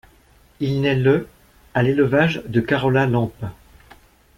Il naît le à l'élevage de Carola Lampe.